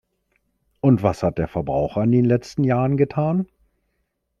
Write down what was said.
Und was hat der Verbraucher in den letzten Jahren getan?